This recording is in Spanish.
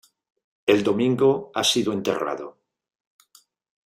El domingo ha sido enterrado.